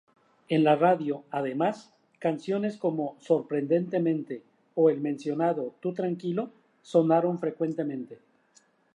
En la radio, además, canciones como "Sorprendentemente" o el mencionado "Tú tranquilo" sonaron frecuentemente.